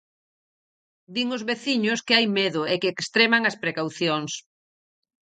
Din os veciños que hai medo e que extreman as precaucións.